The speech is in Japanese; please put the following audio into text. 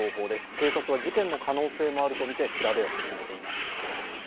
警察は事件の可能性もあるとみて調べを進めています。